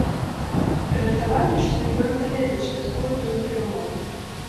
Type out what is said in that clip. Жартавалі, што ён дагэтуль святкуе тую перамогу.